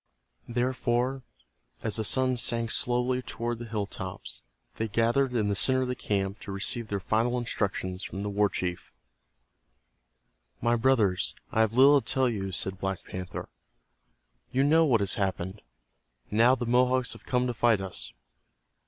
Therefore, as the sun sank slowly toward the hilltops they gathered in the center of the camp to receive their final instructions from the war chief. "My brothers, I have little to tell you," said Black Panther. "You know what has happened. Now the Mohawks have come to fight us.